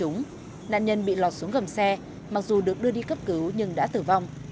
nạn nhân bị lọt xuống gầm xe mặc dù được đưa đi cấp cứu nhưng đã tử vong